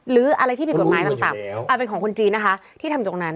หรืออะไรที่ผิดกฎหมายต่างเป็นของคนจีนนะคะที่ทำตรงนั้น